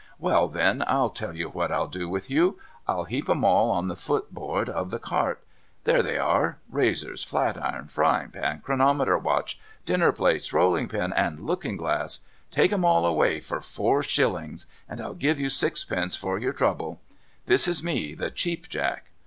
Well then, I'll tell you what I'll do with you. I'll heap 'em all on the footboard of the cart, — there they are ! razors, flat iron, frying pan, chronometer watch, dinner plates, rolling pin, and looking glass, — take 'em all away for four shillings, and I'll give you sixpence for your trouble !' This is me, the Cheap Jack.